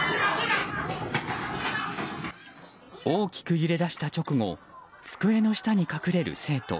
大きく揺れ出した直後机の下に隠れる生徒。